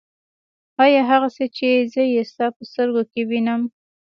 آيا هغه څه چې زه يې ستا په سترګو کې وينم.